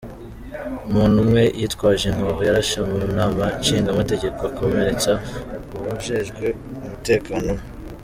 Umuntu umwe yitwaje inkoho yarashe mu nama nshingamateka akomeretsa uwujejwe umutekano umwe.